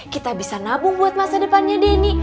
kita bisa nabung buat masa depannya denny